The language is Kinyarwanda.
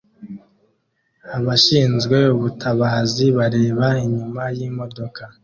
Abashinzwe ubutabazi bareba inyuma yimodoka